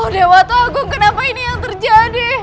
dewa ta'agung kenapa ini yang terjadi